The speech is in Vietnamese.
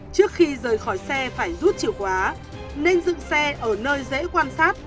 trước khi rời khỏi xe phải rút chìa khóa nên dựng xe ở nơi dễ quan sát và khóa từ một đến hai ổ khóa